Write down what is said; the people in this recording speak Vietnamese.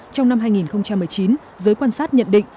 trong năm hai nghìn một mươi chín giới quan sát nhận định